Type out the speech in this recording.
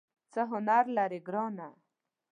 څه هنر لرې ګرانه ؟